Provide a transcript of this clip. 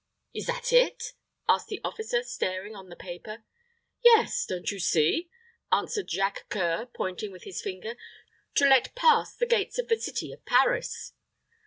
"Is that it?" asked the officer, staring on the paper. "Yes, don't you see?" answered Jacques C[oe]ur, pointing with his finger. "To let pass the gates of the city of Paris."